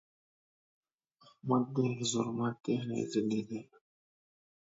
احمد ډېر زورمټ يانې ضدي دى.